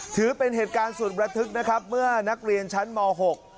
ถือเป็นเหตุการณ์สุดระทึกนะครับเมื่อนักเรียนชั้นมหก